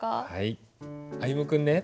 歩夢君ね